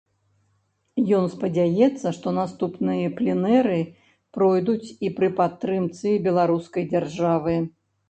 Ён спадзяецца, што наступныя пленэры пройдуць і пры падтрымцы беларускай дзяржавы.